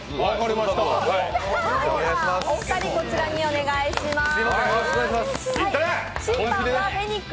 お二人、こちらにお願いします。